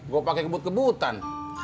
gue pakai kebut kebutan